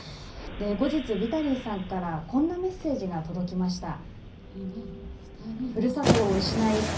後日ヴィタリーさんからこんなメッセージが届きました。